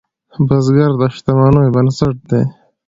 بزګر د شتمنیو بنسټ دی